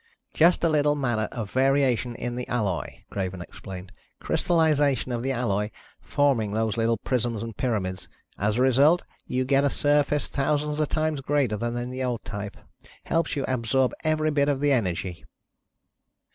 "Just a little matter of variation in the alloy," Craven explained. "Crystalization of the alloy, forming those little prisms and pyramids. As a result, you get a surface thousands of times greater than in the old type. Helps you absorb every bit of the energy."